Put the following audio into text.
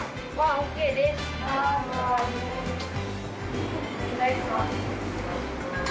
お願いします。